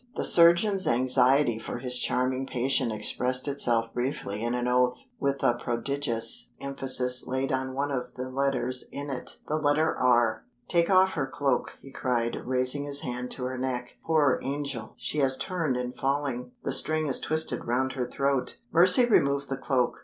The surgeon's anxiety for his charming patient expressed itself briefly in an oath, with a prodigious emphasis laid on one of the letters in it the letter R. "Take off her cloak," he cried, raising his hand to her neck. "Poor angel! She has turned in falling; the string is twisted round her throat." Mercy removed the cloak.